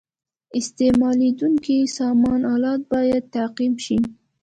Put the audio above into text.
استعمالیدونکي سامان آلات باید تعقیم شي.